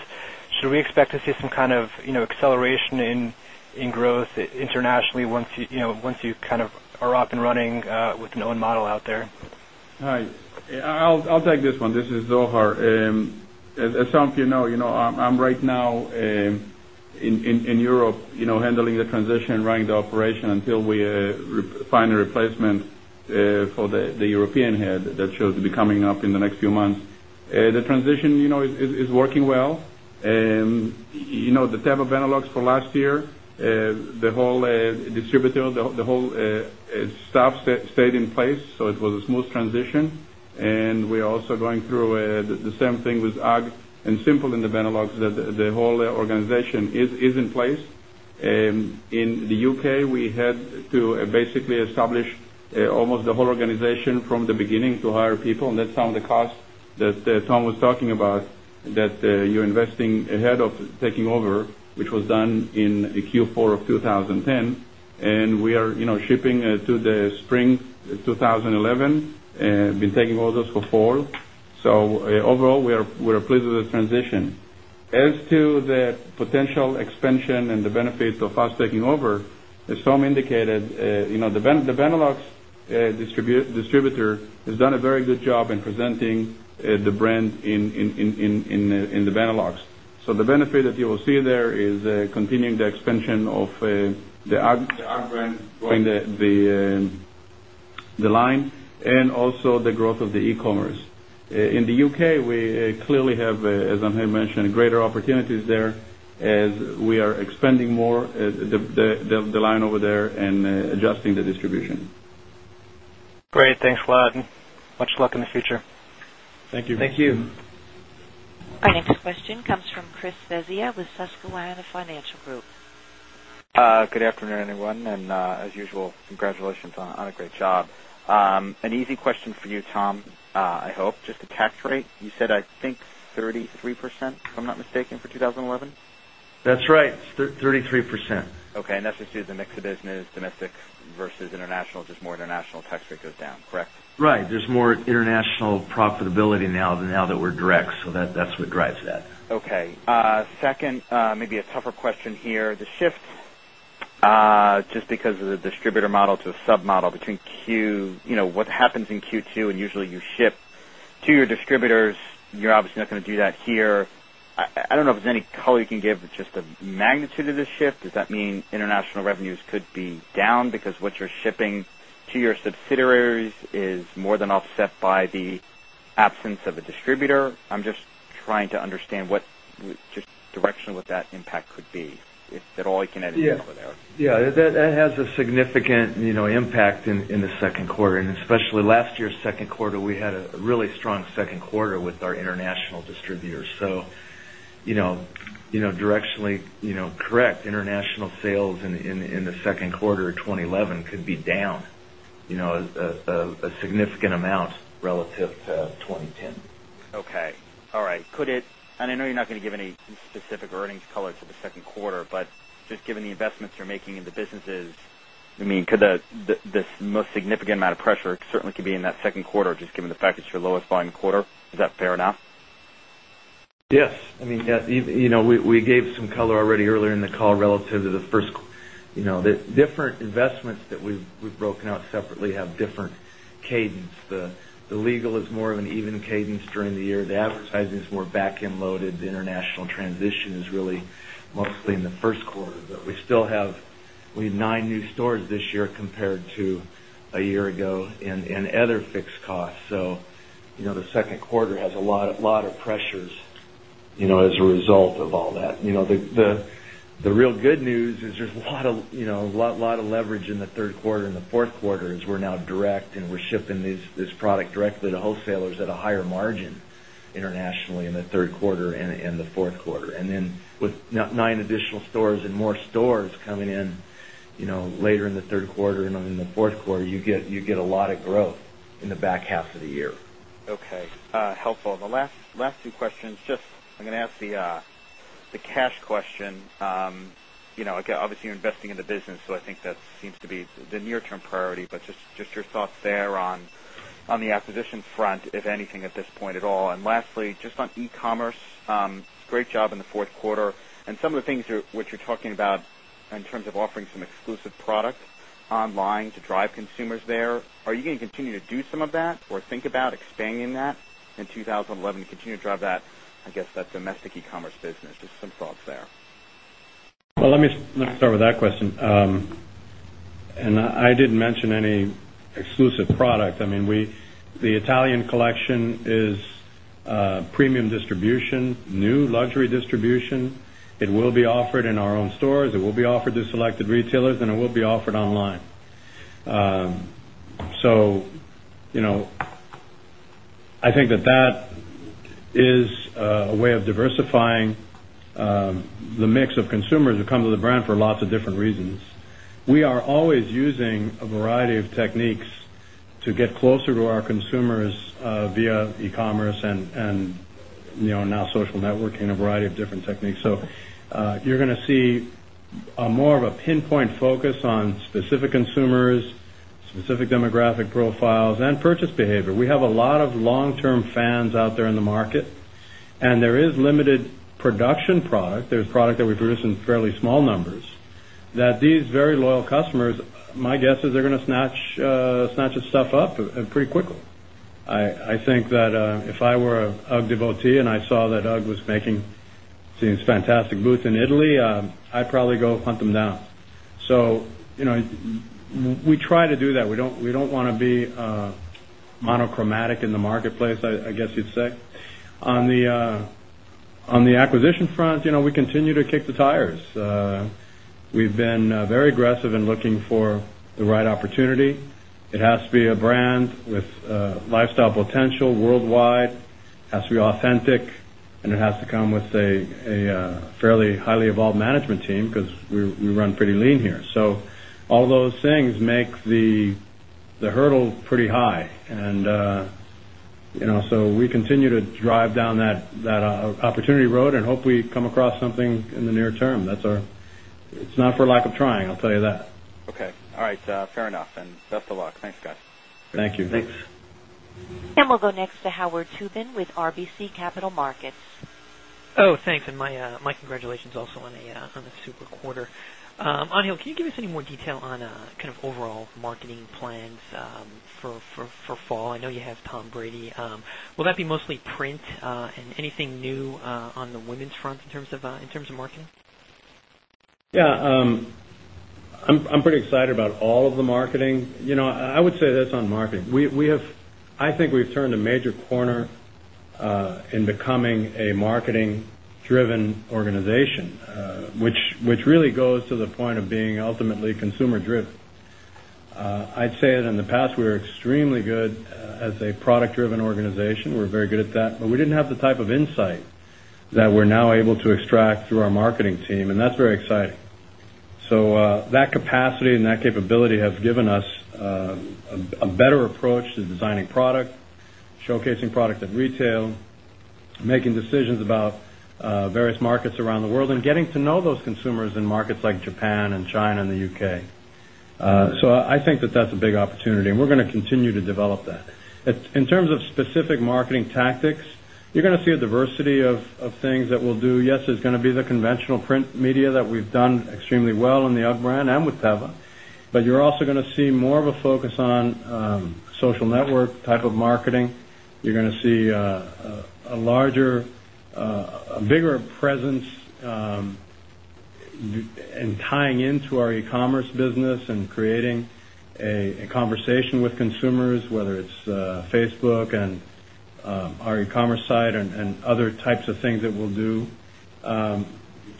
should we expect to see some kind of acceleration in growth internationally once you kind of are up and running with an own model out there? I'll take this one. This is Zohar. As some of you know, I'm right now in Europe handling the transition, running the operation until we find a replacement for the European head that shows to be coming up in the next few months. The transition is working well. The type of analogs for last year, the whole distributor, the whole stuff stayed in place. So it was a smooth transition. And we are also going through the same thing with Ag and Simple in the Benelux that the whole organization is in place. In the UK, we had to basically establish almost the whole organization from the beginning to hire people and that's some of the costs that Tom was talking about that you're investing ahead of taking over, which was done in Q4 of 2010. And we are shipping to the spring 2011, been taking orders for fall. So overall, we are pleased with the transition. As to the potential expansion and the benefits of us taking over, as Tom indicated, the Benelux distributor has done a very good job in presenting the brand in the Benelux. So the benefit that you will see there is continuing the expansion of the ag brand growing the line and also the growth of the e commerce. In the UK, we clearly have, as Angel mentioned, greater opportunities there as we are expanding more the line over there and adjusting the distribution. Great. Thanks a lot and much luck in the future. Thank you. Thank you. Our next question comes from Chris Vezia with Susquehanna Financial Group. Good afternoon, everyone. And as usual, congratulations on a great job. An easy question for you, Tom, I hope, just the tax rate. You said, I think, 33%, if I'm not mistaken, for 2011? That's right, 33%. Okay. And that's just due to the mix of business domestic versus international just more international tax rate goes down, correct? Right. There's more international profitability now than now that we're direct. So that's what drives that. Okay. 2nd, maybe a tougher question here. The shift just because of the distributor model to a sub model between Q what happens in Q2 and usually you ship to your distributors, you're obviously not going to do that here. I don't know if there's any color you can give just the magnitude of the shift. Does that mean international revenues could be down because what you're shipping to your subsidiaries is more than offset by the absence of a distributor? I'm just trying to understand what just directionally that impact could be, if that all I can add to that? Yes. That has a significant impact in the Q2 and especially last year's Q2 we had a really strong Q2 with our international distributors. So directionally correct international sales in the Q2 of 2011 could be down a significant amount relative to 2010. Okay. All right. Could it and I know you're not going to give any specific earnings color to the Q2, but just given the investments you're making in the businesses, I mean, could this most significant amount of pressure certainly could be in that Q2 just given the fact it's your lowest volume quarter? Is that fair enough? Yes. I mean, we gave some color already earlier in the call relative to the first the different investments that we've broken out separately have different cadence. The legal is more of an even cadence during the year. The advertising is more back end loaded. The international transition is really mostly in the Q1. But we still have we have 9 new stores this year compared to a year ago in other fixed costs. So the Q2 has a lot of pressures as a result of all that. The real good news is there's a lot of leverage in the Q3 and Q4 as we're now direct and we're shipping this product directly to wholesalers at a higher margin internationally in the Q3 and Q4. And then, margin internationally in the Q3 and in the Q4. And then with 9 additional stores and more stores coming in later in the Q3 and in the Q4, you get a lot of growth in the back half of the year. Okay. Helpful. And the last two questions. Just I'm going to ask the cash question. Obviously, you're investing in the business, so I think that seems to be the near term priority. But just your thoughts there on the acquisition front, if anything at this point at all. And lastly, just on e commerce, great job in the Q4 and some of the things what you're talking about in terms of offering some exclusive product online to drive consumers there. Are you going to continue to do some of that or think about expanding that in 2011 to continue to drive that, I guess, that domestic e commerce business? Just some thoughts there. Well, let me start with that question. And I didn't mention any exclusive product. I mean, we the Italian collection is premium distribution, new luxury distribution. It will be offered in our own stores. It will be offered to selected retailers and it will be offered online. So I think that that is a way of diversifying the mix of consumers who come to the brand for lots of different reasons. We are always using a variety of techniques to get closer to our consumers via e commerce and now social networking and a variety of different techniques. So you're going to see more of a pinpoint focus on specific consumers, specific demographic profiles and purchase behavior. We have a lot of long term fans out there in the market. And there is limited production product. There's product that we produce in fairly small numbers that these very loyal customers, my guess is they're going to snatch this stuff up pretty quickly. I think that if I were UGG devotee and I saw that UGG was making seems fantastic booth in Italy, I'd probably go hunt them down. So we try to do that. We don't want to be monochromatic in the marketplace, I guess you'd say. On the acquisition front, we continue to kick the tires. We've been very aggressive in looking for the right opportunity. It has to be a brand with lifestyle potential worldwide, has to be authentic and it has to come with a fairly highly evolved management team because we run pretty lean here. So all those things make the hurdle pretty high. And so we continue to drive down that opportunity road and hope we come across something in the near term. That's our it's not for lack of trying, I'll tell you that. Okay. All right. Fair enough and best of luck. Thanks, guys. Thank you. Thanks. And we'll go next to Howard Toobin with RBC Capital Markets. Thanks. And my congratulations also on a super quarter. Anil, can you give us any more detail on kind of overall marketing plans for fall? I know you have Tom Brady. Will that be mostly print and anything new on the women's front in terms of marketing? Yes. I'm pretty excited about all of the marketing. I would say that's on marketing. We have I think we've turned a major corner in becoming a marketing driven organization, which really goes to the point of being ultimately consumer driven. I'd say that in the past, we were extremely good as a product driven organization. We're very good at that, but we didn't have the type of insight that we're now able to extract through our marketing team. And that's very exciting. So that capacity and that capability has given us a better approach to designing product, showcasing product at retail, making decisions about various markets around the world and getting to know those consumers in markets like Japan and China and the U. K. So I think that that's a big opportunity and we're going to continue to develop that. In terms of specific marketing tactics, you're going to see a diversity of things that we'll do. Yes, it's going to be the conventional print media that we've done extremely well in the UGG brand and with Teva. But you're also going to see more of a focus on social network type of marketing. You're going to see a larger a bigger presence and tying into our e commerce business and creating a conversation with consumers, whether it's Facebook and our e commerce side and other types of things that we'll do.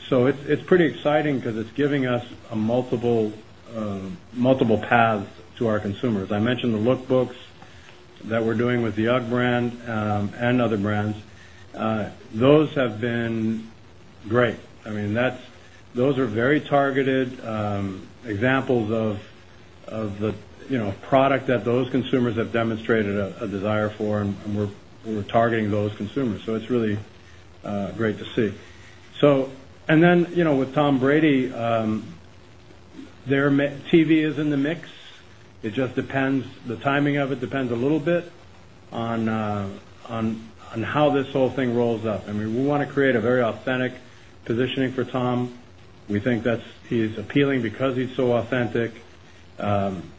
So it's pretty exciting because it's giving us a multiple path to our consumers. I mentioned the lookbooks that we're doing with the UGG brand and other brands. Those have been great. I mean that's those are very targeted examples of the product that those consumers have demonstrated a desire for and we're targeting those consumers. So it's really great to see. So and then with Tom Brady, their TV is in the mix. It just depends the timing of it depends a little bit on how this whole thing rolls up. I mean, we want to create a very authentic positioning for Tom. We think that he is appealing because he's so authentic.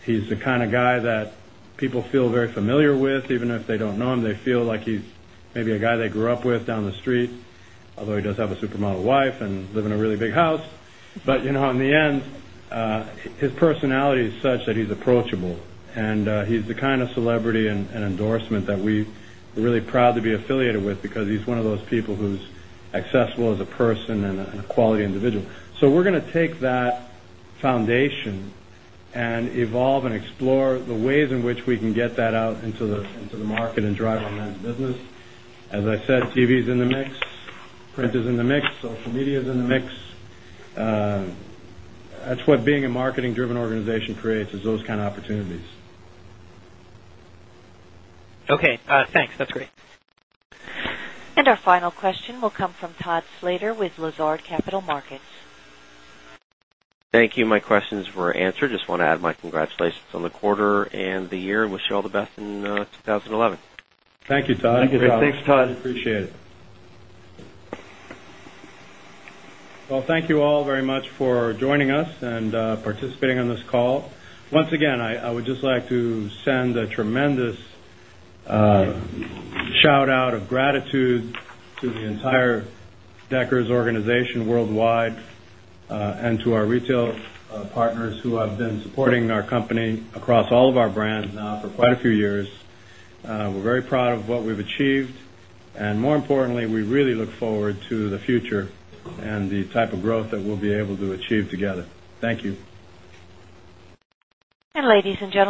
He's the kind of guy that people feel very familiar with even if they don't know him. They feel like he's maybe a guy they grew up with down the street, although he does have a supermodel wife and live in a really big house. But in the end, his personality is such that he's approachable. And he's the kind of celebrity and endorsement that we really proud to be affiliated with because he's one of those people who's accessible as a person and a quality individual. So we're going to take that foundation and evolve and explore the ways in which we can get that out into the market and drive on that business. As I said, TV is in the mix. Print is in the mix. Social media is in the mix. That's what being a marketing driven organization creates is those kind of opportunities. Okay. Thanks. That's great. And our final question will come from Todd Slater with Lazard Capital Markets. Thank you. My questions were answered. Just want to add my congratulations on the quarter and the year. We show all the best in 2011. Thank you, Todd. Thank you, Todd. Thanks, Todd. Appreciate it. Well, thank you all very much for joining us and participating on this call. Once again, I would just like to send a tremendous shout out of gratitude to the entire Deckers organization worldwide and to our retail partners who have been supporting our company across all of our brands now for quite a few years. We're very proud of what we've achieved. And more importantly, we really look forward to the future and the type of growth that we'll be able to achieve together. Thank you. And ladies and gentlemen,